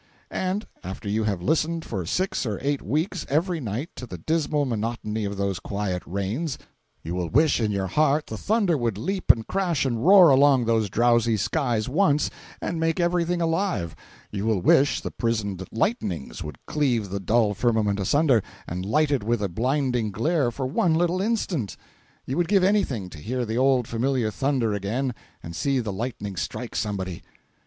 And after you have listened for six or eight weeks, every night, to the dismal monotony of those quiet rains, you will wish in your heart the thunder would leap and crash and roar along those drowsy skies once, and make everything alive—you will wish the prisoned lightnings would cleave the dull firmament asunder and light it with a blinding glare for one little instant. You would give anything to hear the old familiar thunder again and see the lightning strike somebody.